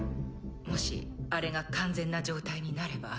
もしあれが完全な状態になれば。